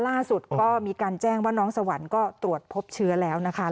ล่าสุดก็มีการแจ้งว่าน้องสวรรค์ก็ตรวจพบเชื้อแล้วนะคะ